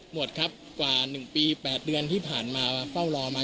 หมดครับกว่า๑ปี๘เดือนที่ผ่านมาเฝ้ารอมา